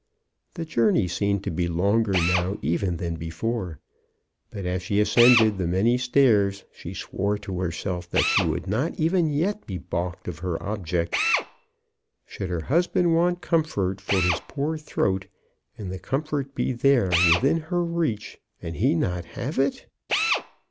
The journey seemed to be longer now even than before ; but as she ascended the many stairs she swore to herself that she would not even yet be balked of her object. Should her husband want comfort for his poor throat, and the comfort be there within her reach, and he not have it?